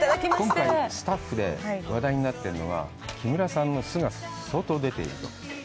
今回、スタッフで話題になってるのが、キムラ緑子さんの素が相当出ていると。